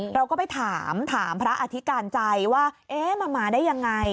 เราก็ไปถามถามพระอธิการใจว่าเอ๊ะมันมาได้ยังไง